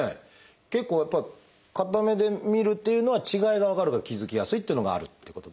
結構やっぱり片目で見るっていうのは違いが分かるから気付きやすいっていうのがあるってことですかね。